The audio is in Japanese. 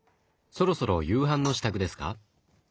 そろそろ夕飯の支度ですか？